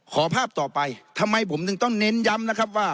ภาพต่อไปทำไมผมถึงต้องเน้นย้ำนะครับว่า